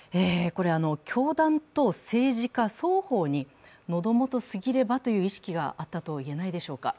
教団と政治家双方に喉元過ぎればという意識があったといえないでしょうか。